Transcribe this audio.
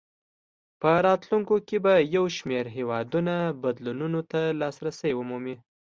په راتلونکو کې به یو شمېر هېوادونه بدلونونو ته لاسرسی ومومي.